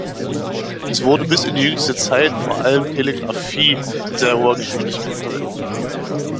Es wurde bis in jüngste Zeit vor allem Telegrafie in sehr hoher Geschwindigkeit verwendet.